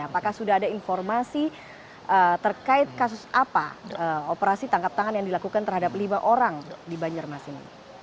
apakah sudah ada informasi terkait kasus apa operasi tangkap tangan yang dilakukan terhadap lima orang di banjarmasin